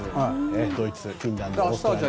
ドイツ、フィンランドオーストラリア。